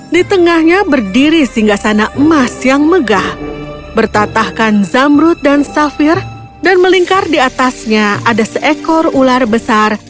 di tengahnya berdiri singgah sana emas yang megah bertatahkan zamrut dan safir dan melingkar di atasnya ada seekor ular besar